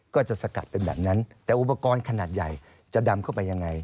ก็จะสกัดเป็นแบบนั้นแต่อุปกรณ์ขนาดใหญ่จะดำเข้าไปยังไง